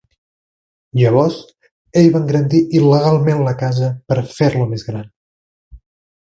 Llavors ell va engrandir il·legalment la casa per fer-la més gran.